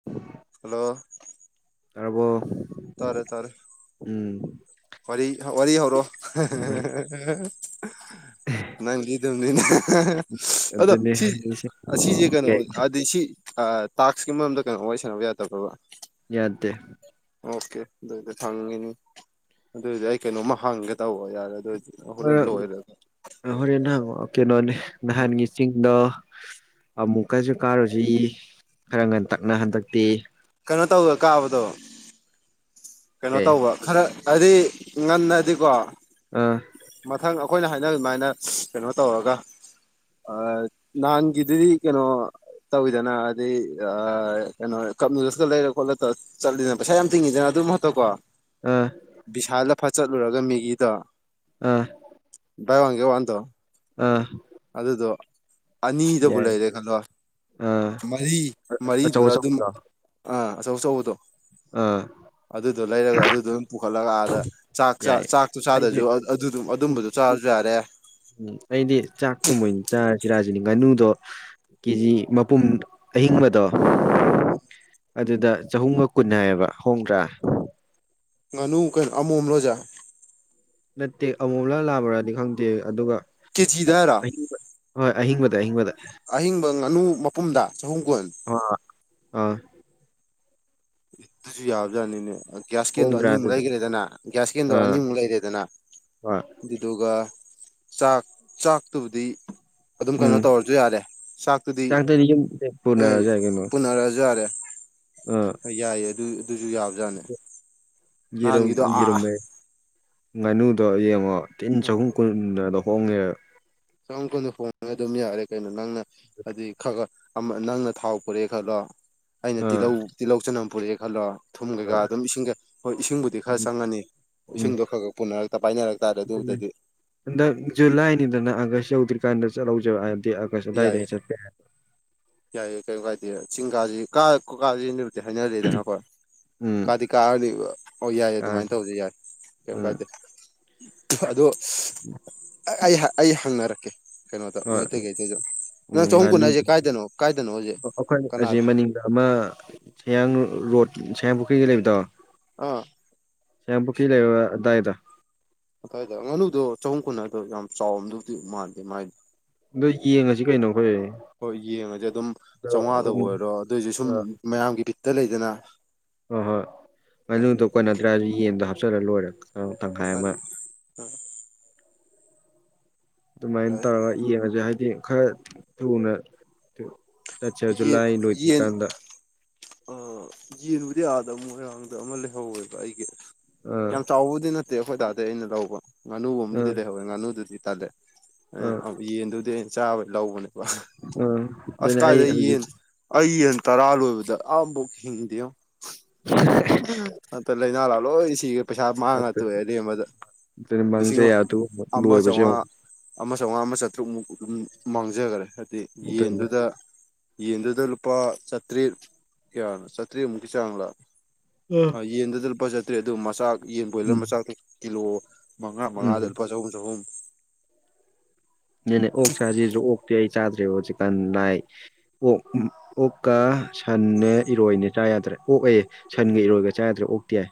[inaudible] Hello ꯇꯥꯔꯕꯣ ꯇꯥꯔꯦ ꯇꯥꯔꯦ ꯎꯝ ꯋꯥꯔꯤ ꯋꯥꯔꯤ ꯍꯧꯔꯣ [unintelligible] ꯅꯪꯗꯤ [unintelligible] ꯑꯗꯣ ꯑꯗꯨꯅꯦ ꯁꯤ ꯍꯥꯏꯁꯦ ꯑꯁꯤꯖꯦ ꯀꯩꯅꯣ ꯑꯠ ꯑꯗꯩ ꯁꯤ ꯑ ꯇꯥꯛꯁꯀꯤ ꯃꯔꯝꯗ ꯀꯩꯅꯣ ꯋꯥꯔꯤ ꯁꯥꯟꯅꯕ ꯌꯥꯗꯕ꯭ꯔꯕ ꯌꯥꯗꯦ ꯑꯣꯀꯦ ꯑꯗꯨꯏ [unintelligible] ꯍꯪꯉꯤꯅꯤ ꯑꯗꯨꯏꯗꯤ ꯑꯩ ꯀꯩꯅꯣꯝꯃ ꯍꯥꯡꯒꯦ ꯇꯧꯕ ꯌꯥꯔꯦ ꯑꯗꯨ ꯑꯣꯏꯔꯗꯤ ꯍꯣꯔꯦꯟ ꯅꯍꯥꯟ ꯀꯩꯅꯣꯅꯦ ꯑ ꯅꯍꯥꯟꯒꯤ ꯆꯤꯡꯗꯣ ꯑꯃꯨꯛꯀꯁꯨ ꯀꯥꯔꯨꯁꯤ ꯈꯔ ꯉꯟꯇꯛꯅ ꯍꯟꯗꯛꯇꯤ ꯀꯩꯅꯣ ꯇꯧꯕꯗ ꯀꯥꯕꯗꯣ ꯀꯩꯅꯣ ꯀꯩ ꯇꯧꯕ ꯈꯔ ꯍꯥꯏꯗꯤ ꯉꯟꯅꯗꯤꯀꯣ ꯑꯥ ꯃꯊꯪ ꯑꯩꯈꯣꯏꯅ ꯍꯥꯏꯅ ꯑꯗꯨꯃꯥꯏꯅ ꯀꯩꯅꯣ ꯇꯧꯔꯒ ꯅꯍꯥꯟꯒꯤꯗꯨꯗꯤ ꯀꯩꯅꯣ ꯇꯧꯋꯤꯗꯅ ꯑꯗꯩ ꯀꯩꯅꯣ ꯀꯞꯅꯨꯗꯁꯨꯀ ꯂꯩꯔ ꯈꯣꯠꯂ ꯆꯠꯂꯤꯗꯅ ꯄꯩꯁꯥ ꯌꯥꯝ ꯇꯤꯡꯉꯤꯗꯅ ꯑꯗꯨꯝ ꯍꯛꯇ ꯀꯣ ꯑ ꯕꯤꯁꯥꯜꯂ ꯐꯠ ꯆꯠꯂꯨꯔꯒ ꯃꯦꯒꯤꯗꯣ ꯑ ꯕꯋ ꯋꯥꯟ ꯒꯦꯜ ꯋꯥꯟ ꯑꯥ ꯑꯗꯨꯗꯣ ꯑꯅꯤꯗꯕꯨ ꯌꯥꯏ ꯂꯩꯔꯦ ꯈꯜꯂꯣ ꯑꯥ ꯃꯔꯤ ꯑꯆꯧ ꯃꯔꯤꯗꯨꯅ ꯑꯗꯨꯝ ꯑꯆꯧꯕꯗꯣ ꯑ ꯑꯆꯣꯎ ꯑꯆꯣꯎ ꯕꯗꯣ ꯑꯥ ꯑꯗꯨꯗꯣ ꯂꯩꯔꯒ ꯑꯗꯨꯗ ꯑꯗꯨꯝ ꯄꯨꯈꯠꯂꯒ ꯑꯥꯗ ꯆꯥꯛ ꯌꯥꯏ ꯆꯥꯛꯇꯣ ꯆꯥꯗ꯭ꯔꯁꯨ ꯑꯩꯗꯤ ꯑꯗꯨꯝꯕꯗ ꯆꯥꯔꯁꯨ ꯌꯥꯔꯦ ꯎꯝ ꯑꯩꯗꯤ ꯆꯥꯛꯇꯣ ꯃꯣꯏꯅ ꯆꯥꯔꯁꯤꯔꯥꯅ ꯉꯥꯅꯨꯗꯣ ꯀꯦ ꯖꯤ ꯃꯄꯨꯝ ꯑꯍꯤꯡꯕꯗꯣ ꯑꯗꯨꯗ ꯆꯍꯨꯝꯒ ꯀꯨꯟ ꯍꯥꯏꯌꯦꯕ ꯍꯣꯡꯗ꯭ꯔꯥ ꯉꯥꯅꯨ ꯀꯩꯅꯣ ꯑꯃꯣꯝꯂ ꯑꯁꯦ ꯅꯠꯇꯦ ꯑꯃꯣꯝꯂ ꯂꯥꯛꯕ꯭ꯔꯗꯤ ꯈꯪꯗꯦ ꯑꯗꯨꯒ ꯀꯦꯖꯤꯗ ꯍꯥꯏꯔꯣ ꯑꯍꯤꯡꯕ ꯍꯣꯏ ꯑꯍꯤꯡꯕꯗ ꯑꯍꯤꯡꯕꯗ ꯑꯍꯤꯡꯕ ꯉꯥꯅꯨ ꯃꯄꯨꯝꯗ ꯆꯍꯨꯝ ꯀꯨꯟ ꯍ ꯍꯣꯏ ꯑꯗꯨꯁꯨ ꯌꯥꯕꯖꯥꯠꯅꯤꯅꯦ ꯒ꯭ꯌꯥꯁ ꯀꯦꯟꯗꯣ ꯍꯣꯡꯗ꯭ꯔꯥ ꯑꯅꯤꯃꯨꯛ ꯑꯗꯨꯗꯤ ꯂꯩꯈ꯭ꯔꯦꯗꯅ ꯒ꯭ꯌꯥꯁ ꯀꯦꯟꯗꯣ ꯑꯥ ꯑꯅꯤꯃꯨꯛ ꯂꯩꯔꯦꯗꯅ ꯍꯣꯏ ꯑꯗꯨꯗꯨꯒ ꯆꯥꯛ ꯆꯥꯛꯇꯨꯕꯨꯗꯤ ꯑꯗꯨꯝ ꯀꯩꯅꯣ ꯎꯝ ꯇꯧꯔꯁꯨ ꯌꯥꯔꯦ ꯆꯥꯛꯇꯨꯗꯤ ꯆꯥꯛꯇꯗꯤ ꯌꯨꯝꯗ ꯑꯦ ꯄꯨꯅꯔꯁꯨ ꯄꯨꯅꯔꯁꯨ ꯌꯥꯔꯦ ꯑ ꯌꯥꯏꯌꯦ ꯑꯗꯨ ꯑꯗꯨꯁꯨ ꯌꯥꯕꯖꯥꯠꯅꯦ ꯌꯦꯔꯨꯝ ꯅꯍꯥꯟꯒꯤꯗꯣ ꯑꯥ ꯌꯦꯔꯨꯝꯃꯦ ꯉꯥꯅꯨꯗꯣ ꯌꯦꯡꯉꯣ ꯇꯤꯟ ꯆꯍꯨꯝ ꯀꯨꯟꯗ ꯍꯣꯡꯉꯦ ꯆꯝ ꯀꯣꯟꯗ ꯐꯣꯡꯉ ꯑꯗꯨꯝ ꯌꯥꯔꯦ ꯀꯩꯅꯣ ꯅꯪꯅ ꯍꯥꯏꯗꯤ ꯈ ꯈ ꯅꯪꯅ ꯊꯥꯎ ꯄꯨꯔꯛꯦ ꯈꯜꯂꯣ ꯑꯩꯅ ꯑꯥ ꯇꯤꯜꯍꯧ ꯇꯤꯜꯍꯧ ꯆꯅꯝ ꯄꯨꯔꯛꯑꯦ ꯈꯜꯂꯣ ꯊꯨꯝ ꯀꯩꯀꯥ ꯑꯥ ꯑꯗꯨꯝ ꯏꯁꯤꯡ ꯀꯩ ꯍꯣꯏ ꯏꯁꯤꯡꯕꯨꯗꯤ ꯈꯔ ꯆꯪꯉꯅꯤ ꯎꯝ ꯏꯁꯤꯡꯗꯣ ꯈꯔ ꯈꯔ ꯄꯨꯅꯔꯛꯇ ꯄꯥꯏꯅꯔꯛꯇꯥꯔꯦ ꯑꯗꯨꯅꯦ ꯑꯗꯨꯕꯨꯗꯗꯤ ꯍꯟꯗꯛ ꯖꯨꯂꯥꯏꯅꯤꯗꯅ ꯑꯥꯒꯁ ꯌꯧꯗ꯭ꯔꯤꯀꯥꯟꯗ ꯆꯠꯍꯧꯖꯦꯕ ꯍꯥꯏꯕꯗꯤ ꯑꯥꯒꯁ ꯑꯗꯨꯋꯥꯏꯗ ꯌꯥꯏꯌꯦ ꯑꯩ ꯆꯠꯄ ꯌꯥ ꯌꯥꯏꯌꯦ ꯀꯩꯁꯨ ꯀꯥꯏꯗꯦꯗꯤ ꯆꯤꯡ ꯀꯥꯁꯤ ꯀꯥ ꯀꯥꯁꯤꯗꯨꯕꯨꯗꯤ ꯍꯥꯏꯅꯔꯤꯗꯅꯀꯣ ꯎꯝ ꯀꯥꯗꯤ ꯀꯥꯑꯗꯤ ꯑꯣ ꯌꯥꯏ ꯑꯥ ꯑꯗꯨꯃꯥꯏꯅ ꯇꯧꯁ ꯌꯥꯔꯦ ꯀꯩꯝ ꯀꯥꯏꯗꯦ ꯑꯗꯣ ꯎ [inaudible] ꯑꯩ ꯑꯩ ꯍꯪꯅꯔꯛꯀꯦ ꯀꯩꯅꯣꯗ ꯍꯣꯏ ꯃꯣꯏꯇꯩ ꯀꯩꯗꯗ ꯎꯝ ꯅꯪ ꯆꯍꯨꯝ ꯉꯥꯅꯨ ꯀꯨꯟꯁꯦ ꯀꯥꯏꯗꯅꯣ ꯀꯥꯏꯗꯅꯣ ꯍꯧꯖꯤꯛ ꯑꯩꯈꯣꯏ ꯍꯧ ꯀꯅꯥꯗ ꯃꯅꯤꯡꯗ ꯑꯃ ꯁꯌꯥꯡ ꯔꯣꯗ ꯁꯌꯥꯡ ꯄꯨꯈ꯭ꯔꯤꯒꯤ ꯂꯩꯕꯗꯣ ꯑ ꯁꯥꯄꯨ ꯀꯤ ꯂ ꯑꯗꯨꯗꯏꯗ ꯑꯗꯨꯋꯥꯏꯗ ꯉꯥꯅꯨꯗꯣ ꯆꯍꯨꯝ ꯀꯨꯟ ꯅꯠꯗ꯭ꯔꯣ ꯌꯥꯝ ꯆꯥꯎꯔꯝꯗꯨꯗꯤ ꯃꯥꯟꯗꯦ ꯃꯥꯏꯗꯣ ꯑꯗꯣ ꯌꯦꯡꯉꯁꯤ ꯀꯩꯅꯣ ꯑꯩꯈꯣꯏ ꯍꯣꯏ ꯌꯦꯡꯉꯁꯦ ꯑꯗꯨꯝ ꯑꯗꯣ ꯆꯥꯝꯉꯥꯗꯕꯨ ꯎꯝ ꯑꯣꯏꯔꯣ ꯑꯗꯨꯑꯣꯏꯔꯁꯨ ꯁꯨꯝ ꯑꯥ ꯃꯌꯥꯝꯒꯤ ꯕꯤꯠꯇ ꯂꯩꯗꯅ ꯍꯣꯏ ꯍꯣꯏ ꯉꯅꯨꯗꯨ ꯀꯣꯟꯅꯗ꯭ꯔꯦ ꯍꯥꯏꯔꯁꯨ ꯌꯦꯟꯗꯣ ꯍꯥꯞꯆꯜꯂ ꯂꯣꯏꯔꯦ ꯇꯪꯈꯥꯏ ꯑꯃ [unintelligible] ꯑꯗꯨꯃꯥꯏꯅ ꯇꯧꯔꯒ ꯌꯦꯡꯉꯁꯦ ꯍꯥꯏꯗꯤ ꯈꯔ ꯊꯨꯅ [unintelligible] ꯆꯠꯁꯦ ꯖꯨꯂꯥꯏ ꯂꯣꯏꯗ꯭ꯔꯤꯀꯥꯟꯗ ꯑ ꯌꯦꯟꯕꯨꯗꯤ ꯑꯥꯗ ꯃ ꯃꯣꯏꯔꯥꯡꯗ ꯑꯃ ꯂꯩꯍꯧꯋꯦꯕ ꯑꯩꯒꯤ ꯑꯥ ꯌꯥꯝ ꯆꯥꯎꯕꯨꯗꯤ ꯅꯠꯇꯦ ꯇꯧ ꯑꯩꯈꯣꯏ ꯗꯥꯗꯩ ꯑꯩꯅ ꯂꯧꯕ ꯉꯥꯅꯨꯒꯨꯝꯕꯕꯨꯗꯤ ꯑꯥ ꯂꯩꯍꯧꯋꯦ ꯉꯥꯅꯨꯗꯨꯗꯤ ꯇꯜꯂꯦ ꯑꯥ ꯌꯦꯟꯗꯨꯗꯤ ꯑꯩꯅ ꯆꯥꯕ ꯂꯧꯕꯅꯦꯕ ꯑꯥ ꯑꯁ ꯑꯗꯨꯅ ꯑꯩ ꯀꯥꯏꯗꯩ ꯍꯧꯖꯤꯛ ꯌꯦꯟ ꯑꯩ ꯌꯦꯟ ꯇꯔꯥ ꯂꯣꯏꯕꯗ ꯑꯃꯕꯣꯛ ꯍꯤꯡꯗꯦ [unintelligible] ꯂꯧꯅꯅꯥ ꯂꯣꯏ ꯁꯤꯒ [unintelligible] ꯄꯩꯁꯥ ꯃꯥꯡꯉ ꯑꯗꯨꯅ ꯇꯣꯛꯑꯦ ꯑꯔꯦꯝꯕ ꯃꯥꯡꯖ ꯂꯤꯁꯤꯡ ꯌꯥꯗꯨꯕ ꯑꯃ ꯂꯣꯏꯕꯁꯦ ꯆꯥꯝꯃꯉꯥ ꯑꯃꯨꯛ ꯑꯃ ꯆꯥꯝꯃꯉꯥ ꯑꯃ ꯆꯥꯇ꯭ꯔꯨꯛꯃꯨꯛ ꯑꯗꯨꯝ ꯃꯥꯡꯖꯈꯔꯦ ꯍꯥꯏꯗꯤ ꯑꯗꯨꯅ ꯌꯦꯟꯗꯨꯗ ꯌꯦꯟꯗꯨꯗ ꯂꯨꯄꯥ ꯆꯥꯇ꯭ꯔꯦꯠ ꯀꯌꯥꯅꯣ ꯆꯥꯇ꯭ꯔꯦꯠꯃꯨꯛꯀꯤ ꯆꯥꯡ ꯂꯥ ꯌꯦꯟꯗꯨꯗ ꯂꯨꯄꯥ ꯆꯠꯇ꯭ꯔꯦ ꯑꯗꯨ ꯃꯆꯥꯛ ꯌꯦꯟ ꯕꯣꯏꯂꯔ ꯎꯝ ꯃꯆꯥꯛ ꯀꯤꯂꯣ ꯃꯉꯥ ꯃꯉꯥꯗ ꯎꯝ ꯂꯨꯄꯥ ꯆꯍꯨꯝ ꯆꯍꯨꯝ ꯑꯗꯨꯅꯦ ꯑꯣꯛ ꯆꯥꯁꯤꯁꯨ ꯑꯣꯛꯇꯤ ꯑꯩ ꯆꯥꯗ꯭ꯔꯦ ꯍꯧꯖꯤꯛꯀꯥꯟ ꯅꯥꯏ ꯑꯣꯛ ꯑꯣꯛꯀ ꯁꯟꯅꯦ ꯎꯝ ꯏꯔꯣꯏꯅꯦ ꯆꯥ ꯌꯥꯗ꯭ꯔꯦ ꯑꯣꯛꯑꯦ ꯁꯟꯒ ꯏꯔꯣꯏꯒ ꯆꯥ ꯌꯥꯗ꯭ꯔꯦ ꯑꯣꯛꯛꯇꯤ ꯌꯥꯏ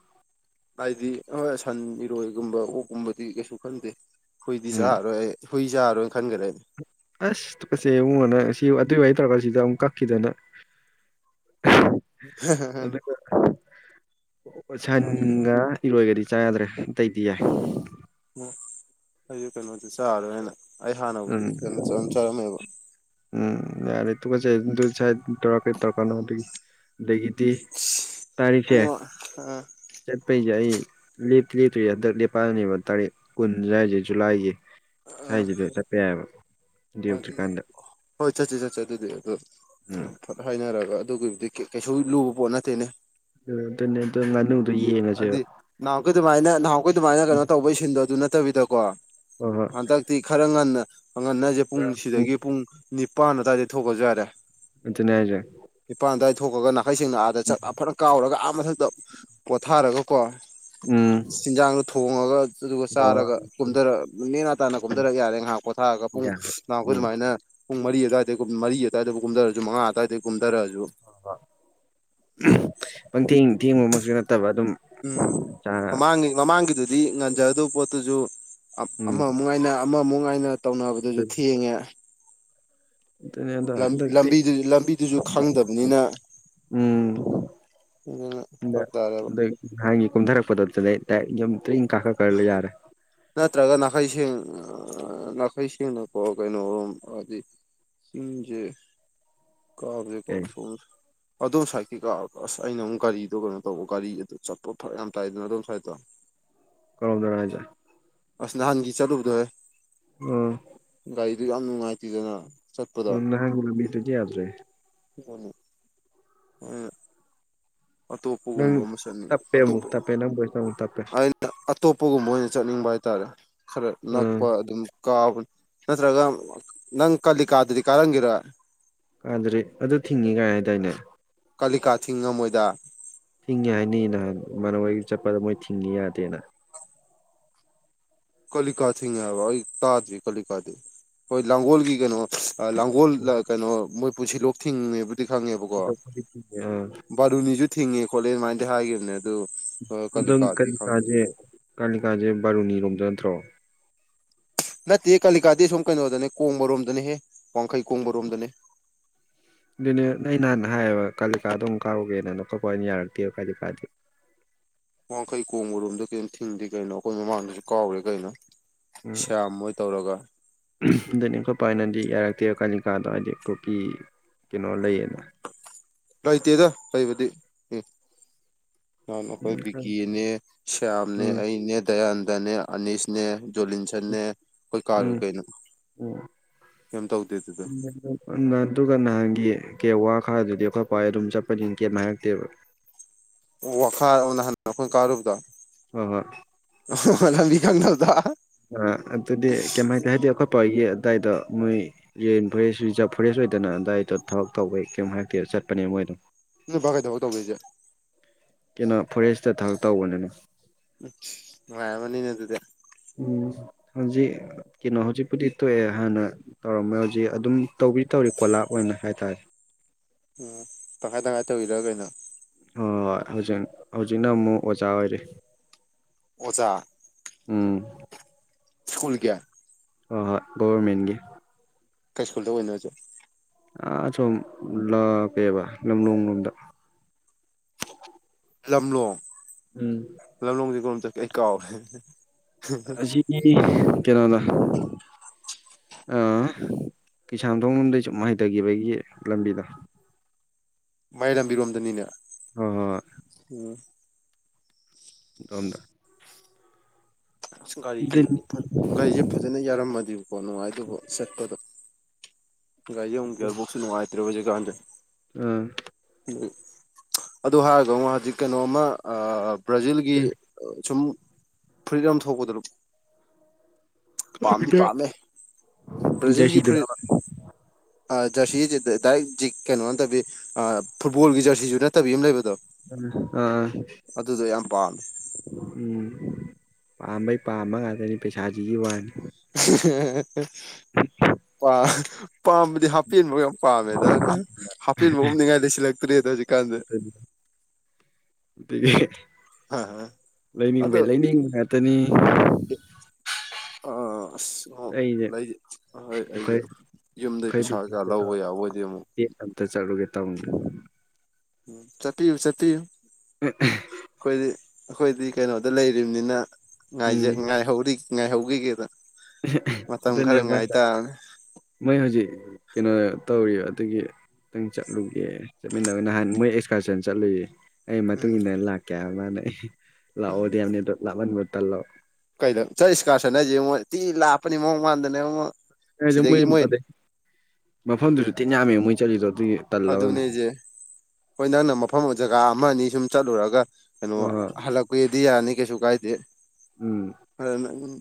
ꯍꯥꯏꯗꯤ ꯍꯣꯏ ꯁꯟ ꯏꯔꯣꯏꯒꯨꯝꯕ ꯑꯣꯛꯀꯨꯝꯕꯗꯤ ꯀꯩꯁꯨ ꯈꯟꯗꯦ ꯍꯨꯏꯗꯤ ꯎꯝ ꯆꯥꯔꯣꯏ ꯍꯨꯏ ꯆꯥꯔꯣꯏꯅ ꯈꯟꯈ꯭ꯔꯦ ꯑꯩ ꯑꯁ ꯇꯨꯀꯠꯆꯩ ꯏꯕꯨꯡꯉꯣ ꯅꯪ ꯁꯤ ꯑꯗꯨꯏ ꯋꯥꯏ ꯇꯧꯔꯒ ꯁꯤꯗ ꯑꯃꯨꯛ ꯀꯛꯈꯤꯗꯅ [unintelligible] ꯑꯣ ꯁꯟꯒ ꯏꯔꯣꯏꯒꯗꯤ ꯆꯥ ꯆꯥꯗ꯭ꯔꯦ ꯑꯇꯩꯗꯤ ꯌꯥꯏ ꯑꯣ ꯑꯩꯁꯨ ꯀꯩꯅꯣꯗꯨ ꯆꯥꯔꯔꯣꯏꯅ ꯑꯩ ꯍꯥꯟꯅꯕꯨꯗꯤ ꯀꯩꯅꯣ ꯆꯥꯔꯝ ꯎꯝ ꯆꯥꯔꯝꯃꯦꯕ ꯎꯝ ꯌꯥꯔꯦ ꯇꯨꯀꯠꯆꯩ ꯑꯗꯨ ꯁ꯭ꯌꯥꯏꯗ ꯇꯧꯔꯥꯛ ꯀꯅꯨ ꯑꯗꯨꯒꯤ ꯑꯗꯒꯤꯗꯤ ꯇꯥꯔꯤꯛꯁꯦ ꯑꯣ ꯆꯠꯄꯩꯁꯦ ꯑꯩ ꯂꯦꯞꯇꯤ ꯂꯦꯞꯇ꯭ꯔꯤ ꯍꯟꯗꯛ ꯂꯦꯞꯄꯜꯅꯦꯕ ꯇꯥꯔꯤꯛ ꯀꯨꯟ ꯁ꯭ꯋꯥꯏꯁꯦ ꯖꯨꯂꯥꯏꯒꯤ ꯑꯥ ꯁ꯭ꯋꯥꯏꯁꯤꯗ ꯆꯠꯄ ꯌꯥꯏꯕ ꯍꯣꯏ ꯆꯠꯁꯤ ꯆꯠꯁꯤ ꯑꯗꯨꯗꯤ ꯑꯗꯣ ꯎꯝ ꯐꯠ ꯍꯥꯏꯅꯔꯒ ꯑꯗꯨꯒꯤꯕꯨꯗꯤ ꯀꯩꯁꯨ ꯂꯨꯕ ꯄꯣꯠ ꯅꯠꯇꯦꯅꯦ ꯑꯗꯨꯅꯦ ꯑꯗꯨ ꯉꯥꯅꯨꯗꯣ ꯌꯦꯡꯉꯁꯦ ꯍꯥꯏꯗꯤ ꯅꯍꯥꯟꯈꯩ ꯑꯗꯨꯃꯥꯏꯅ ꯅꯍꯥꯟꯈꯩ ꯑꯗꯨꯃꯥꯏꯅ ꯀꯩꯅꯣ ꯇꯧꯕꯩ ꯁꯤꯟꯗꯣ ꯑꯗꯨ ꯅꯠꯇꯕꯤꯗꯀꯣ ꯍꯣꯏ ꯍꯣꯏ ꯍꯟꯗꯛ ꯇꯤ ꯈꯔ ꯉꯟꯅ ꯉꯟꯅꯁꯦ ꯄꯨꯡ ꯎꯝ ꯁꯤꯗꯒꯤ ꯄꯨꯡ ꯅꯤꯄꯥꯟ ꯑꯗꯨꯋꯥꯏꯗꯩ ꯊꯣꯛꯈ꯭ꯔꯁꯨ ꯌꯥꯔꯦ ꯑꯗꯨꯅꯦ ꯍꯥꯏꯖꯦ ꯅꯤꯄꯥꯟ ꯑꯗꯨꯋꯥꯏꯗ ꯊꯣꯛꯈ꯭ꯔꯒ ꯅꯥꯀꯩꯁꯦꯡꯅ ꯑꯥꯗ ꯆꯥꯛ ꯆꯥ ꯐꯅ ꯀꯥꯎꯔꯒ ꯑꯥ ꯃꯊꯛꯇ ꯄꯣꯊꯥꯔꯒ ꯀꯣ ꯎꯝ ꯆꯤꯟꯖꯥꯡꯗ ꫭꯊꯣꯡꯉꯒ ꯑꯗꯨꯒ ꯍꯣꯏ ꯆꯥꯔꯒ ꯍꯣꯏ ꯀꯨꯝꯊꯔ ꯅꯦꯅꯥ ꯇꯥꯅ ꯀꯨꯝꯊꯔꯛ ꯌꯥꯔꯦ ꯉꯥꯏꯍꯥꯛ ꯄꯣꯊꯥꯔꯒ ꯄꯨꯡ ꯌꯥꯔꯦ ꯅꯍꯥꯛꯈꯣꯏ ꯎꯝ ꯑꯗꯨꯃꯥꯏꯅ ꯄꯨꯡ ꯃꯔꯤ ꯑꯗꯨꯋꯥꯏꯗꯒꯤ ꯀꯨꯝ ꯃꯔꯤ ꯑꯗꯨꯋꯥꯏꯗꯕꯨ ꯀꯨꯝꯊꯔꯁꯨ ꯃꯉꯥ ꯑꯗꯨꯋꯥꯏꯗꯒꯤ ꯀꯨꯝꯊꯔꯛ ꯑꯁꯨ [unintelligible] ꯄꯪꯊꯦꯡ ꯊꯦꯡꯕꯃꯛꯁꯨ ꯅꯠꯇꯕ ꯑꯗꯨꯝ ꯎꯝ ꯆꯥ ꯃꯃꯥꯡꯒꯤ ꯃꯃꯥꯡꯒꯤꯗꯨꯗꯤ ꯉꯟꯖꯒꯗꯧꯕ ꯄꯣꯠꯇꯨꯁꯨ ꯎꯝ ꯑꯃꯃꯨꯛ ꯉꯥꯏꯅ ꯑꯃꯃꯨꯛ ꯉꯥꯏꯅ ꯇꯧꯅꯕꯗꯨꯁꯨ ꯊꯦꯡꯉꯦ ꯑꯗꯨꯅꯦ ꯑꯗꯣ ꯍꯟꯗꯛꯇꯤ ꯂꯝꯕꯤꯗꯨ ꯂꯝꯕꯤꯗꯨꯁꯨ ꯈꯪꯗꯕꯅꯤꯅ ꯎꯝ ꯎꯝ ꯐꯔꯛ ꯇꯥꯔꯦꯕ ꯍꯥꯟꯒꯤ ꯀꯨꯝꯊꯔꯛꯄꯗꯣ ꯑꯗꯨꯗꯩ ꯗꯥꯔꯦꯛ ꯌꯨꯝ ꯇꯤ ꯀꯥꯈꯠ ꯈꯔ ꯌꯥꯔꯦ ꯅꯠꯇ꯭ꯔꯒ ꯅꯥꯈꯩ ꯁꯦꯡ ꯅꯥꯈꯩ ꯁꯦꯡꯅꯀꯣ ꯀꯩꯅꯣꯔꫭꯝ ꯍꯥꯏꯗꯤ [unintelligible] ꯀꯥꯕꯖꯦ ꯀꯩ [unintelligible] ꯑꯗꯣꯝ ꯁꯥꯏꯠꯀꯤꯀ ꯑꯁ ꯑꯩꯅ ꯑꯃꯨꯛ ꯒꯥꯔꯤꯗꯣ ꯀꯩꯅꯣ ꯇꯧꯕ ꯒꯥꯔꯤ ꯑꯗꯨ ꯆꯠꯄ ꯐꯔꯛ ꯌꯥꯝ ꯇꯥꯏꯗꯅ ꯑꯗꯣꯝ ꯁꯥꯏꯠꯇꯣ ꯀꯗꯨꯝꯗꯅꯣ ꯍꯥꯏꯁꯦ ꯑꯁ ꯅꯍꯥꯟꯒꯤ ꯆꯠꯂꯨꯕꯗꯣ ꯍꯦ ꯎꯝ ꯒꯥꯔꯤꯗꯨ ꯌꯥꯝ ꯅꯨꯡꯉꯥꯏꯇꯦꯗꯅ ꯆꯠꯄꯗꯣ ꯎꯝ [unintelligible] ꯌꯥꯗ꯭ꯔꯦ [unintelligible] ꯑꯇꯣꯞꯄꯒꯨꯝꯕ ꯅꯪ ꯑꯃ ꯆꯠꯅꯤꯡꯉꯤ ꯇꯞꯄꯦ ꯑꯃꯨꯛ ꯑꯇꯣꯞꯄ ꯇꯞꯄꯦ ꯅꯪ ꯚꯣꯏꯁꯇꯣ ꯑꯃꯨꯛ ꯇꯞꯄꯦ ꯑ ꯑꯇꯣꯞꯄꯒꯨꯝꯕ ꯑꯣꯏꯅ ꯆꯠꯅꯤꯡꯕ ꯍꯥꯏꯇꯥꯔꯦ ꯈꯔ ꯑꯥ ꯅꯛꯄ ꯑꯗꯨꯝ ꯀꯥꯕ ꯅꯠꯇ꯭ꯔꯒ ꯅꯪ ꯀꯜꯂꯤ ꯀꯗꯗꯤ ꯀꯔꯤꯔ ꯀꯥꯟꯗꯔꯤ ꯑꯗꯨ ꯊꯤꯡꯉꯤ ꯀꯥꯏ ꯍꯥꯏꯗꯥꯏꯅꯦ ꯀꯥꯂꯤꯀꯥ ꯊꯤꯡꯉꯝꯃꯣꯏꯗ ꯊꯤꯡꯉꯦ ꯍꯥꯏꯅꯤ ꯅꯍꯥꯟ ꯃꯔꯗꯒꯤ ꯆꯠꯄꯗ ꯃꯣꯏ ꯊꯤꯡꯉꯤ ꯌꯥꯗꯦꯅ ꯀꯂꯤꯀꯥꯆꯤꯡ ꯍꯥꯏꯔꯣ ꯇꯥꯗꯔꯤ ꯀꯂꯤꯀꯥꯗꯤ ꯍꯣꯏ ꯂꯥꯡꯒꯣꯜꯒꯤ ꯀꯩꯅꯣ ꯂꯥꯡꯒꯣꯜ ꯀꯩꯅꯣ ꯃꯣꯏ ꯄꯨꯟꯁꯤ ꯂꯣꯛ ꯊꯤꯡꯉꯦꯕꯨꯗꯤ ꯈꯪꯉꯦꯕꯀꯣ ꯁꯤꯗꯕꯨꯗꯤ ꯊꯤꯡꯉꯦ ꯑꯥ ꯕꯥꯔꯨꯅꯤꯁꯨ ꯊꯤꯡꯉꯦ ꯈꯣꯠꯂꯦ ꯑꯗꯨꯃꯥꯏꯅꯗꯤ ꯍꯥꯏꯈꯤꯕꯅꯦ ꯑꯗꯨ ꯑꯗꯨꯝ ꯀꯥꯂꯤꯀꯥꯗꯤ ꯈꯪꯗꯦ ꯀꯥꯂꯤꯀꯥꯁꯦ ꯀꯥꯂꯤꯀꯥꯁꯦ ꯕꯥꯔꯨꯅꯤꯔꯣꯝꯗꯥ ꯅꯠꯇ꯭ꯔꯣ ꯅꯠꯇꯦ ꯀꯥꯂꯤꯀꯥꯗꯤ ꯁꯨꯝ ꯀꯩꯅꯣꯗꯅꯦ ꯀꯣꯡꯕꯔꯣꯝꯗꯅꯦꯍꯦ ꯋꯥꯡꯈꯩ ꯀꯣꯡꯕꯔꯣꯝꯗꯅꯦ ꯑꯗꯨꯅꯦ ꯅ ꯅꯍꯥꯟ ꯍꯥꯏꯌꯦꯕ ꯀꯥꯂꯤꯀꯥ ꯑꯗꯨꯝ ꯀꯥꯔꯨꯒꯦꯅ ꯈꯣꯠꯄ ꯑ ꯑꯣꯏꯅ ꯌꯥꯔꯛꯇꯦꯕ ꯀꯥꯂꯤꯀꯥꯗꯨ ꯋꯥꯡꯈꯩ ꯀꯣꯡꯕꯔꯣꯝꯗ ꯀꯔꯤꯝꯇ ꯊꯤꯡꯗꯦ ꯀꯩꯅꯣ ꯑꯩꯈꯣꯏ ꯃꯃꯥꯡꯗꯁꯨ ꯀꯥꯎꯔꯦ ꯀꯩꯅꯣ ꯁ꯭ꯌꯥꯝ ꯃꯣꯏ ꯇꯧꯔꯒ ꯗꯅꯤ ꯑꯩꯈꯣꯏ ꯄꯥꯏꯅꯗꯤ ꯌꯥꯔꯛꯇꯦ ꯀꯥꯂꯤꯀꯥꯗꯣ ꯍꯥꯏꯗꯤ ꯀꯣꯄꯤ ꯀꯩꯅꯣ ꯂꯩꯌꯦꯅ ꯂꯩꯇꯦꯗ ꯂꯩꯕꯗꯤ ꯎꯝ ꯅꯥꯟꯈꯣꯏ ꯎꯝ ꯕꯤꯀꯤꯅꯦ ꯁ꯭ꯌꯥꯝꯅꯦ ꯎꯝ ꯑꯩꯅꯦ ꯗꯌꯥꯟꯗꯅꯦ ꯑꯅꯤꯁꯅꯦ ꯖꯣꯂꯤꯟꯁꯟꯅꯦ ꯑꯩꯈꯣꯏ ꯀꯥꯔꯨ ꯎꯝ ꯀꯩꯅꯣ ꯀꯩꯝ ꯇꯧꯗꯦ ꯑꯗꯨꯗꯣ ꯑꯗꯨꯒ ꯅꯍꯥꯟꯒꯤ ꯀꯦ ꯋꯥ ꯈꯔꯗꯨꯗꯤ ꯑꯩꯈꯣꯏ ꯄꯥꯍꯣꯢ ꯑꯗꯨꯝ ꯆꯠꯄꯅꯤ ꯀ꯭ꯌꯤꯝ ꯍꯥꯏꯔꯛꯇꯦꯕ ꯋꯥꯈꯥ ꯅ ꯍꯥꯟ ꯑꯩꯈꯣꯏ ꯀꯥꯔꯨꯕꯗꫭ ꯍꯣꯏ ꯍꯣꯏ ꯑꯣ ꯍ ꯍ ꯂꯝꯕꯤ ꯀꯪꯗꯕꯗꯣ ꯑ ꯑꯗꯨꯗꯤ ꯀꯩꯥꯏ ꯇꯦ ꯍꯥꯏꯗꯤ ꯑꯩꯈꯣꯏ ꯄꯥꯍꫭꯏꯒꯤ ꯑꯗꯨꯋꯥꯏꯗꯣ ꯃꯣꯏ ꯔꯦꯟ ꯐꯣꯔꯦꯁ ꯔꯤꯖꯥꯚ ꯐꯣꯔꯦꯁ ꯑꯣꯏꯗꯅ ꯑꯗꯨꯗꯥꯏꯗꯣ ꯊꯕꯛ ꯇꯧꯕꯩ ꯀꯩꯝ ꯍꯥꯏꯥꯛꯇꯦ ꯆꯠꯄꯅꯦ ꯃꯣꯏꯗꯣ ꯅꯣꯏ ꯕꯥ ꯀꯩꯗꯧꯕ ꯇꯧꯗꯣꯏꯁꯦ ꯀꯩꯅꯣ ꯐꯣꯔꯦꯁꯇ ꯊꯕꯛ ꯇꯧꯕꯅꯤꯅ ꯅꯨꯉꯥꯏꯔꯝꯃꯅꯤꯅꯦ ꯑꯗꯨꯗꯤ ꯎꯝ ꯍꯧꯖꯤꯛ ꯀꯩꯅꯣ ꯍꯧꯖꯤꯛꯄꯨꯗꯤ ꯇꯣꯛꯑꯦ ꯍꯥꯟꯅ ꯇꯧꯔꯝꯃꯦ ꯍꯧꯖꯤꯛ ꯑꯗꯨꯝ ꯇꯧꯕꯤ ꯇꯧꯔꯤ ꯀꯣꯂꯥꯞ ꯑꯣꯏꯅ ꯍꯥꯏꯇꯥꯔꯦ ꯎꯝ ꯇꯪꯈꯥꯏ ꯇꯪꯈꯥꯏ ꯇꯧꯕꯤꯔꯣ ꯀꯩꯅꯣ ꯍꯣꯏ ꯍꯣꯏ ꯍꯧꯖꯤꯛ ꯍꯧꯖꯤꯛꯅ ꯑꯃꯨꯛ ꯑꯣꯖꯥ ꯑꯣꯏꯔꯤ ꯑꯣꯆꯥ ꯎꯝ ꯁ꯭ꯀꯨꯜ ꯀꯌꯥ ꯍꯣꯏ ꯍꯣꯏ ꯒꯣꯋꯔꯃꯦꯟꯒꯤ ꯀꯩ ꯁꯀꯨꯜꯗ ꯑꯣꯏꯅꯣ ꯍꯧꯁꯦ ꯑ ꯁꯨꯝ ꯂꯥꯛꯄꯦꯕ ꯂꯝꯂꯣꯡꯂꯣꯝꯗ ꯂꯝꯂꯣ ꯎꯝ ꯂꯝꯂꯣꯡꯖꯦ ꯀꯔꯣꯝ ꯆꯠꯀꯦ ꯑꯩ ꯀꯥꯎꯔꯦ ꯑꯖꯤꯒꯤ ꯀꯩꯅꯣꯗ ꯑꯥ ꯀꯩꯁꯥꯥꯝꯊꯣꯡ ꯂꫭꯝꯗꯩ ꯁꯨꯝ ꯍꯩꯊꯈꯤꯕꯒꯤ ꯂꯝꯕꯤꯗꯣ ꯃꯌꯥꯏ ꯂꯝꯕꯤꯔꯣꯝꯗꯅꯤꯅꯦ ꯍꯣꯏ ꯍꯣꯏ ꯎꯝ ꯗꯣꯝꯗ ꯑꯁ ꯒꯥꯔꯤꯁ ꯒꯥꯔꯤꯁꯦ ꯐꯖꯅ ꯌꯥꯔꯝꯃꯗꯤꯕꯀꯣ ꯅꯨꯡꯉꯥꯏ ꯑꯗꯨꯕ ꯆꯠꯄꯗꯣ ꯒꯥꯔꯤ ꯑꯃꯨꯛ ꯌꯥꯔꯤꯄꯣꯛꯁꯨ ꯅꯨꯡꯉꯥꯏꯇ꯭ꯔꯦ ꯍꯧꯖꯤꯛꯀꯥꯟꯗꯤ꯫ ꯑꯝ ꯑꯗꯨ ꯍꯥꯏꯔꯒꯉꯣ ꯍꯧꯖꯤꯛ ꯀꯩꯅꯣꯝꯃ ꯕ꯭ꯔꯥꯖꯤꯜꯒꯤ ꯁꯨꯝ ꯐꯨꯔꯤꯗ ꯑꯃ ꯊꯣꯛꯄꯗ ꯑꯗꯨ ꯄꯥꯝꯗꯤ ꯄꯥꯝꯃꯦ ꯕ꯭ꯔꯥꯖꯤꯜꯒꯤ ꯖꯔꯁꯤꯗꯨꯔꯕ ꯐꯨꯔꯤꯠ ꯖꯔꯁꯤꯁꯤ ꯗꯥꯏꯔꯦꯛ ꯖꯤ ꯀꯩꯅꯣ ꯅꯝꯠꯇꯕꯤ ꯐꯨꯠꯕꯣꯜꯒꯤ ꯖꯔꯁꯤꯁꯨ ꯅꯠꯇꯕꯤ ꯑꯃ ꯂꯩꯕꯗꯣ ꯑꯥ ꯑꯗꯨꯗꯣ ꯌꯥꯝ ꯄꯥꯝꯃꯦ ꯎꯝ ꯄꯥꯝꯕꯩ ꯄꯥꯝꯕ ꯉꯥꯛꯇꯅꯤ ꯄꯩꯁꯥꯁꯤꯒꯤ ꯋꯥꯅꯤ [inaudible] ꯑ ꯄꯥꯝꯕꯗꯤ ꯍꯥꯞꯄꯦꯟꯕ ꯄꯥꯝꯃꯦꯗ ꯍꯥꯞꯄꯦꯟꯕꯧ ꯎꯞꯅꯤꯡꯉꯥꯏꯗ ꯂꯩꯁꯤꯜꯂꯛꯇ꯭ꯔꯦꯗ ꯍꯧꯖꯤꯛꯀꯥꯟꯁꯦ ꯑꯗꯒꯤ ꯑꯗꯣ ꯂꯩꯅꯤꯡꯕꯩ ꯂꯩ ꯅꯤꯡꯒ ꯇꯅꯤ ꯑ ꯥ ꯑꯥ ꯑꯁ ꯑꯣ ꯑꯩꯁꯦ ꯂꯩ ꯑꯍꯣꯏ ꯑꯩꯁꯨ ꯑꯩꯈꯣꯏ ꯌꯨꯝꯗꯩ ꯄꯩꯁꯥ ꯀ ꯂꯧꯕ ꯌꯥꯕ ꯑꯣꯏꯗꯤ ꯑꯃꯨꯛ ꯗꯦꯗ ꯑꯝꯇ ꯆꯠꯂꯨꯒꯦ ꯇꯧꯅꯤꯗ ꯎꯝ ꯆꯠꯄꯤꯌꯨ ꯆꯠꯄꯤꯌꯨ ꯎ [unintelligible] ꯑꯩꯈꯣꯏꯗꯤ ꯑꯩꯈꯣꯏꯗꯤ ꯀꯩꯅꯣꯗ ꯂꯩꯔꯤꯝꯅꯤꯅ ꯎꯝ ꯉꯥꯏꯍꯧꯔꯤ ꯉꯥꯏꯍꯧꯈꯤꯒꯦꯗ ꯃꯇꯝ ꯑꯗꯨꯅꯦ ꯈꯔ ꯃꯥꯅ ꯉꯥꯏꯇꯥꯕꯅꯤ ꯃꯣꯏ ꯍꯧꯖꯤꯛ ꯀꯩꯅꯣ ꯇꯧꯔꯤ ꯑꯗꯨꯒꯤ꯫ ꯈꯤꯇꯪ ꯆꯠꯂꯨꯒꯦ ꯆꯠꯃꯤꯟꯅꯕ ꯅꯍꯥꯟ ꯃꯣꯏ ꯑꯦꯛꯁꯀꯔꯁꯟ ꯆꯠꯂꯨꯌꯦ ꯑꯩ ꯃꯇꯨꯡ ꯎꯝ ꯏꯟꯅ ꯂꯥꯛꯀꯦ ꯍꯥꯏꯕ ꯃꯥꯅ ꯑꯩ ꯂꯥꯛꯑꯣꯗꯤ ꯌꯥꯝꯅꯦ ꯑꯗꯣ ꯂꯥꯃꯟꯕ ꯇꯜꯂꯕ ꯀꯩꯗꯧ ꯆꯠ ꯏꯁꯀꯥꯔꯁꯅ ꯍꯥꯏꯁꯦꯉꯣ ꯊꯤ ꯂꯥꯞꯄꯅꯤ ꯃꯑꯣꯡ ꯃꯥꯟꯗꯅ ꯉꯣ ꯐꯔꯁꯨ ꯃꯣꯏ ꯑꯗꯩ ꯃꯐꯝꯗꯨꯁꯨ ꯇꯤꯟ ꯌꯥꯝꯃꯦ ꯃꯣꯏ ꯆꯠꯂꯤꯗꯣ ꯑꯗꯨꯒꯤ꯫ ꯇꯜꯂꯕꯅꯤ ꯑꯗꯨꯅꯦꯁꯦ ꯍꯣꯏ ꯅꯪꯅ ꯃꯐꯝ ꯖꯒꯥ ꯑꯃ ꯑꯅꯤ ꯁꯨꯝ ꯆꯠꯂꯨꯔꯒ ꯀꯅꫭ ꯑ ꯍꯂꯛꯄꯩꯗꯤ ꯌꯥꯅꯤ ꯀꯩꯁꯨ ꯀꯥꯏꯗꯦ ꯎꯝ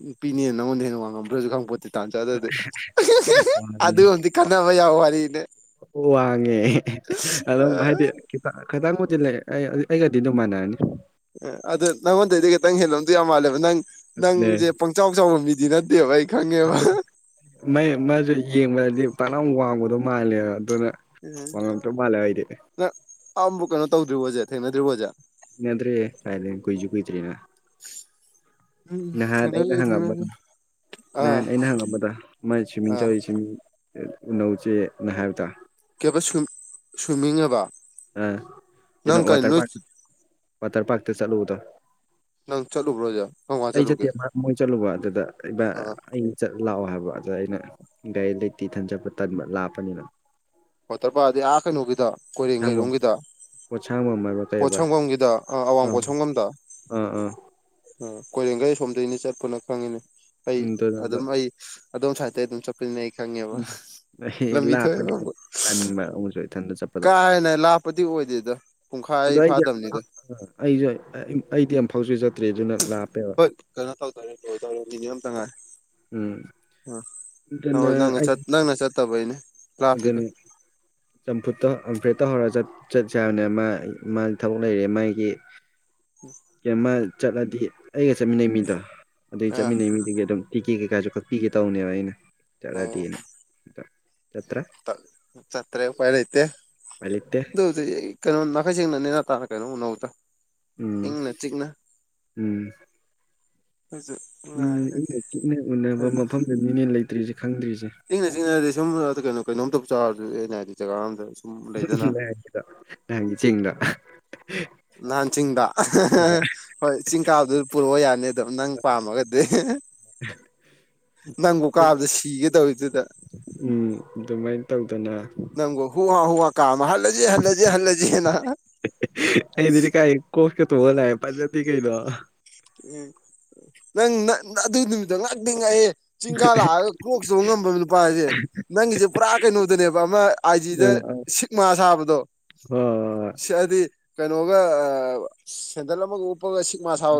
ꯅꯨꯄꯤꯅꯦꯅ ꯅꯉꯣꯟꯗ ꯍꯦꯟꯅ ꯋꯥꯡꯉꯃꯝꯕ꯭ꯔꯁꯨ ꯈꯪꯄꯣꯠꯇꯦ ꯇꯥꯟ ꯆꯗꯗꯤ ꯑꯗꯨ ꯍꯧꯗꯤ ꯀꯟꯅꯅꯕ ꯌꯥꯎꯕ ꯋꯥꯔꯤꯅꯦ ꯑꯣ ꯋꯥꯡꯉꯦ ꯑꯗꯨꯝ ꯍꯥꯏꯗꯤ ꯈꯤꯇ ꯈꯤꯇꯪꯕꯨꯗꯤ ꯂꯩ ꯑꯩ ꯑꯩꯒꯗꯤ ꯑꯗꯨꯝ ꯃꯥꯟꯅꯔꯅꯤ ꯑꯦ ꯑꯗꯨ ꯅꯪꯉꯣꯟꯗꯩꯗꯤ ꯈꯤꯇꯪ ꯍꯦꯜꯂꯝꯗꯣ ꯌꯥꯝ ꯃꯥꯜꯂꯦꯕ ꯅꯪ ꯑꯗꯨꯅꯦ ꯅꯪꯁꯦ ꯆꯥꯎ ꯆꯥꯎꯕ ꯃꯤꯗꯤ ꯅꯠꯇꯦꯕ ꯑꯩ ꯈꯪꯉꯦꯕ ꯃ ꯃꯁꯨ ꯌꯦꯡꯕꯗꯗꯤ ꯄꯅꯝ ꯋꯥꯡꯕꯗꯣ ꯃꯥꯜꯂꯦꯕ ꯑꯗꯨꯅ ꯋꯥꯉꯝꯗꯧ ꯃꯂꯦ ꯍꯥꯏꯗꯦ ꯅ ꯑꯥꯕꯨꯛ ꯀꯩꯅꯣ ꯇꯧꯗ꯭ꯔꯤꯕꯣꯖꯦ ꯊꯦꯡꯅꯗ꯭ꯔꯤꯕꯣꯖꯦ ꯅꯗ꯭ꯔꯤꯍꯦ ꯀꯥꯏꯗꯩ ꯀꯨꯏꯖꯨ ꯀꯨꯏꯗ꯭ꯔꯤꯅ ꯎꯝ ꯅꯍꯥꯟ ꯑꯩꯅ ꯊꯦꯡꯅꯗ꯭ꯔꯤ ꯍꯪꯉꯝꯕꯗ ꯊꯦꯡꯅꯗ꯭ꯔꯤ ꯑꯥ ꯅꯍꯥꯟ ꯑꯩꯅ ꯍꯪꯉꯝꯕꯗ ꯃꯥꯏ ꯁ꯭ꯋꯤꯝꯃꯤꯡ ꯑꯥ ꯆꯧꯔꯤ ꯁ꯭ꯋꯃꯤꯡ ꯎꯅꯧ ꯖꯦ ꯅ ꯍꯥꯏꯕꯗ ꯀꯦꯕ ꯁꯨ ꯁꯨꯃꯤꯡꯑꯕ ꯑ ꯀꯩꯅꯣ ꯋꯥꯇꯔ ꯄꯥꯔ ꯋꯥꯇꯔ ꯄꯥꯔꯛꯇ ꯆꯠꯂꯨꯕꯗꯣ ꯅꯪ ꯆꯠꯂꯨꯕ꯭ꯔꯣꯁꯦ ꯀꯔꯝꯀꯥꯟ ꯑꯩ ꯆꯠꯂꯨꯒꯦ ꯆꯠꯇꯦ ꯃꯣꯏ ꯆꯠꯂꯨꯕ ꯑꯗꯨꯗ ꯑꯥ ꯆꯠ ꯂꯥꯛꯑꯣ ꯍꯥꯏꯕ ꯑꯗ ꯑꯩꯅ ꯒꯥꯔꯤ ꯂꯩꯇꯤ ꯏꯊꯟ ꯆꯠꯄ ꯇꯟꯕ ꯂꯥꯞꯄꯅꯤꯅ ꯋꯇꯦꯔ ꯄꯥꯛ ꯍꯥꯏꯗꯤ ꯑ ꯀꯩꯅꯣꯒꯤꯗꯣ ꯀꯣꯏꯔꯦꯉꯩ ꯄꯣꯠꯁꯥꯡꯕꯝ ꯔꯣꯝꯒꯤ ꯗꯣ ꯄꯣꯠꯁꯥꯡꯕꯝ ꯍꯥꯏꯕ꯭ꯔꯥ ꯀꯩ ꯍꯥꯏꯕ꯭ꯔꯥ ꯄꯣꯠꯁꯝꯒꯝꯒꯤꯗ ꯑꯋꯥꯡ ꯑꯥ ꯄꯣꯁꯝꯕꯝꯗ ꯑꯥ ꯑꯥ ꯑ ꯀꯣꯏꯔꯦꯡꯒꯩ ꯁꯣꯝꯗꯒꯤꯅꯤ ꯆꯠꯄꯅ ꯈꯪꯉꯤꯅꯦ ꯑꯩ ꯎꯝ ꯑꯗꯨꯅ ꯑꯗꯣ ꯑꯗꯨꯝ ꯑꯩ ꯑꯗꯣꯝ ꯁꯥꯏꯠꯇꯩ ꯑꯗꯨꯝ ꯆꯠꯄꯅꯦ ꯑꯩ ꯈꯪꯉꯦꯕ ꯎꯝ ꯑꯩ ꯂꯝꯕꯤ ꯊꯣꯛꯑꯦꯕ ꯂꯥꯞꯄꯅꯤꯅ ꯇꯟꯕ ꯑꯃꯨꯛꯀꯁꯨ ꯏꯊꯟꯗ ꯆꯠꯄ ꯀꯥ ꯍꯦꯟꯅ ꯂꯞꯄꯗꯤ ꯑꯣꯏꯗꯦꯗ ꯄꯨꯡꯈꯥꯏ ꯑꯗꯣ ꯑꯩꯗꯤ ꯐꯥꯗꯕꯅꯤꯗ ꯑꯩꯁꯨ ꯑꯩꯗꯤ ꯑꯝ ꯐꯥꯎꯁꯨ ꯆꯠ ꯍꯣꯏ ꯀꯩꯅꯣ ꯇꯧꯗꯣꯔꯦ ꯂꯣꯏꯗꯣꯔꯦ ꯃꯤꯅꯤꯠ ꯑꯝꯇ ꯉꯥꯏ ꯎꯝ ꯑ ꯑꯗꯨꯅ ꯍꯣꯏ ꯅꯪ ꯆꯠ ꯅꯪꯅ ꯆꯠꯇꯕꯩꯅꯦ ꯂꯥꯞꯄꯤꯗꯣ ꯑꯗꯨꯅꯦ ꯆꯝꯐꯨꯠꯇ ꯍꯝꯐ꯭ꯔꯦꯠꯇ ꯍꯧꯔꯒ ꯆꯠ ꯆꯠꯁꯦ ꯍꯥꯏꯕꯅꯦ ꯃꯥ ꯃꯥꯗꯤ ꯊꯕꯛ ꯂꯩꯔꯦ ꯃꯥꯒꯤ [unintelligible] ꯀꯩꯃ ꯆꯠꯂꯗꯤ ꯑꯩꯒ ꯆꯠꯃꯤꯟꯅꯩ ꯃꯤꯗꯣ ꯑꯗꯨꯒꯤ ꯑꯥ ꯆꯠꯃꯤꯟꯅꯩ ꯃꯤꯗꯨꯒꯤ ꯑꯗꯨꯝ ꯊꯤꯛꯀꯦ ꯀꯩꯀꯥꯁꯨ ꯀꯛꯄꯤꯒꯦ ꯇꯧꯅꯦꯕ ꯑꯩꯅ ꯆꯠꯂꯗꯤ ꯑꯣ ꯆꯠꯇ꯭ꯔꯦ ꯎꯄꯥꯥꯏ ꯂꯩꯇꯦ ꯎꯄꯥꯏ ꯂꯩꯇꯦ ꯗꯨ ꯗꯤ ꯀꯩꯅꯣ ꯅꯥꯈꯩ ꯁꯦꯡꯅ ꯅꯦꯅꯥ ꯇꯥꯅ ꯀꯩꯅꯣ ꯎꯅꯧꯗ ꯎꯝ ꯏꯪꯅ ꯆꯤꯛꯅ ꯎꯝ [unintelligible] ꯎꯝ ꯏꯪꯅ ꯆꯤꯛꯅ ꯎꯅꯕ ꯃꯐꯝꯗꯨꯅꯤꯅꯦ ꯂꯩꯇ꯭ꯔꯤꯁꯦ ꯈꯪꯗ꯭ꯔꯤꯁꯦ ꯏꯪꯅ ꯆꯤꯛꯅꯗꯤ ꯁꯨꯝ ꯀꯩꯅꯣ ꯀꯩꯅꯣꯝꯇꯕꯨ ꯆꯥꯔꯁꯨ ꯍꯥꯏꯗꯤ ꯖꯒꯥ ꯑꯝꯗ ꯁꯨꯝ ꯂꯩꯗꯅ ꯅꯍꯟꯒꯤꯗꯣ ꯅꯍꯥꯟꯒꯤ ꯆꯤꯡꯗꯣ ꯅꯥꯟ ꯆꯤꯡꯗ ꯍꯣꯏ ꯆꯤꯡꯀꯥꯕꯗꯨꯗ ꯄꯨꯔꯛꯑꯣ ꯌꯥꯅꯤ ꯑꯗꯨꯝ ꯅꯪ ꯄꯥꯝꯃꯒꯗꯤ ꯅꯪꯕꯥꯎ ꯀꯥꯕꯗ ꯁꯤꯒꯦ ꯇꯧꯔꯤꯗꯨꯗ ꯎꯝ ꯑꯗꯨꯃꯥꯏ ꯇꯧꯗꯅ ꯍꯨꯍꯥ ꯍꯋꯥ ꯀꯥꯃ ꯍꯜꯂꯖꯦ ꯍꯜꯂꯖꯦ ꯍꯜꯂꯖꯦꯅ ꯑꯩꯗꯨꯗꯤ ꯀꯥꯏ ꯀꯣꯛꯁꯀ ꯇꯣꯡꯉ ꯂꯥꯛꯑꯦ ꯐꯖꯗꯤ ꯀꯩꯅꯣ ꯎꯝ ꯅꯪ ꯑꯗꯨ ꯅꯨꯃꯤꯠꯇꯨ ꯉꯛꯇꯤ ꯉꯛꯑꯦ ꯆꯤꯡ ꯀꯥ ꯂꯥꯛꯑꯒ ꯀꯔꯣꯛꯁ ꯇꯣꯡ ꯉꯝꯕ ꯅꯨꯄꯥ ꯍꯥꯏꯁꯦ ꯅꯪꯒꯤꯁꯦ ꯄꯨꯔꯥ ꯀꯩꯅꯣꯗꯨꯅꯦꯕ ꯑꯃ ꯑꯥꯏꯖꯤꯗ ꯁꯤꯛꯃꯥ ꯁꯥꯕꯗꯣ [unintelligible] ꯁꯤ ꯍꯥꯏꯗꯤ ꯀꯩꯅꯣꯒ ꯁꯦꯟꯗꯜ ꯑꯃꯒ ꯎꯞꯄꯒ ꯁꯤꯛꯃꯥ ꯁꯥꯕ